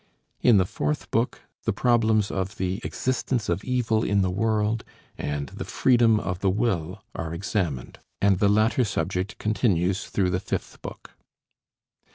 In the fourth book the problems of the existence of evil in the world and the freedom of the will are examined; and the latter subject continues through the fifth book.